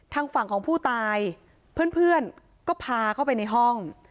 ทางฝั่งของผู้ตายเพื่อนก็พาเข้าไปในห้อง